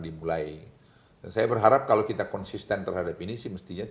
dimulai dan saya berharap kalau kita bisa membuat ikan ikan yang lebih baik itu juga kita bisa membuat